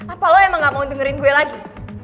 apa lo emang gak mau dengerin gue lagi